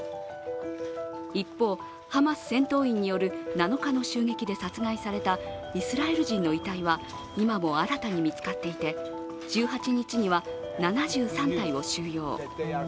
一方、ハマス戦闘員による７日の襲撃で殺害されたイスラエル人の遺体は今も新たに見つかっていて、１８日には７３体を収容。